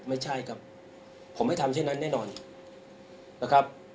ไม่ใช่ครับผมให้ทำเช่นนั้นแน่นอนนะครับ